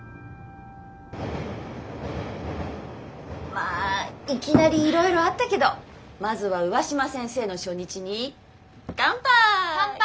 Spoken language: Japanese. まあいきなりいろいろあったけどまずは上嶋先生の初日にかんぱい。